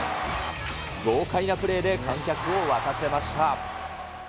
豪快なプレーで観客を沸かせました。